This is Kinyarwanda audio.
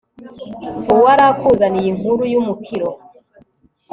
uwari akuzaniye inkuru y'umukiro